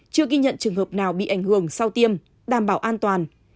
chưa ghi nhận trường hợp nào bị ảnh hưởng sau tiêm đảm bảo an toàn